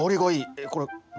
えっこれ何？